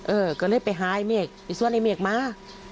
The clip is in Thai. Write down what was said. เออก็เลยไปหาไอ้เมฆไอ้ส่วนไอ้เมฆมา